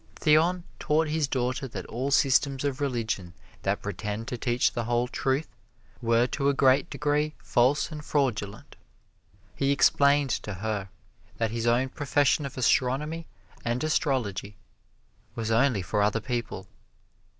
Theon taught his daughter that all systems of religion that pretend to teach the whole truth were to a great degree false and fraudulent. He explained to her that his own profession of astronomy and astrology was only for other people.